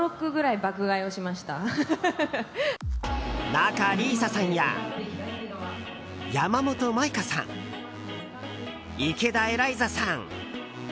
仲里依紗さんや山本舞香さん池田エライザさん。